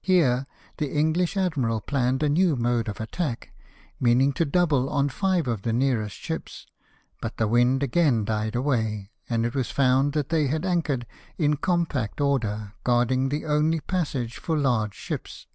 Here the Encrlish SIEGE OF GALVL 73 admiral planned a new mode of attack, meaning to double on fiYQ of the nearest ships; but the wind again died away, and it was found that they had anchored in compact order, guarding the only passage for large ships.